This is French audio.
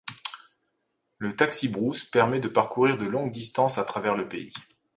Le taxi-brousse permet de parcourir de longues distances à travers le pays.